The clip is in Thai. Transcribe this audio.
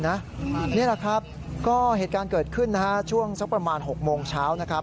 นี่แหละครับก็เหตุการณ์เกิดขึ้นช่วงประมาณ๖โมงเช้า